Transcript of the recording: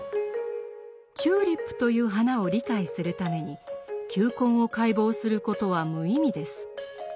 チューリップという花を理解するために球根を解剖することは無意味です。